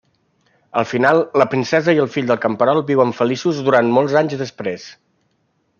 Al final, la princesa i el fill del camperol viuen feliços durant molts anys després.